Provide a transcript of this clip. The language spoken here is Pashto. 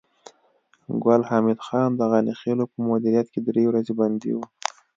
ګل حمید خان د غني خېلو په مدیریت کې درې ورځې بندي و